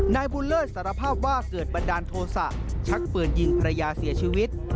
นายบุญเลิศสารภาพว่าเกิดบันดาลโทษะชักปืนยิงภรรยาเสียชีวิต